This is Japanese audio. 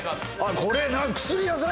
これ薬屋さん？